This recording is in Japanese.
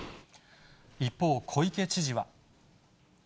一方、小池知事は。